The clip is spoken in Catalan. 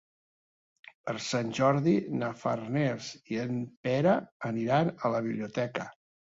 Per Sant Jordi na Farners i en Pere aniran a la biblioteca.